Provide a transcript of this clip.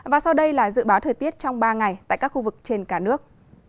và sau đây là dự báo thời tiết trong ba ngày tại các khu vực trên cả nước